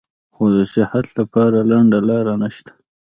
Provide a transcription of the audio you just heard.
خو د صحت له پاره لنډه لار نشته -